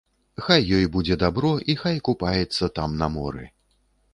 Хай ёй будзе дабро і хай купаецца там на моры.